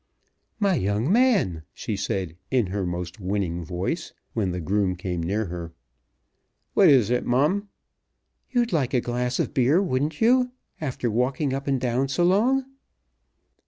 "My young man," she said in her most winning voice, when the groom came near her. "What is it, Mum?" "You'd like a glass of beer, wouldn't you; after walking up and down so long?"